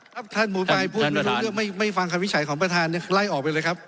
ครับท่านหมู่ปลายพูดไม่รู้แล้วไม่ฟังความวิจัยของประทานเนี่ยไล่ออกไปเลยครับ